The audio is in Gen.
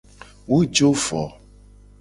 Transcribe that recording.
Wo jo vo.